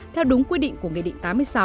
theo đúng quy định của nghị định tám mươi sáu